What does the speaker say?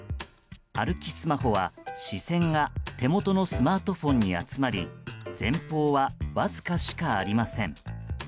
歩きスマホは、視線が手元のスマートフォンに集まり前方はわずかしかありません。